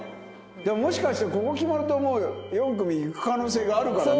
もしかしてここ決まるともう４組いく可能性があるからね。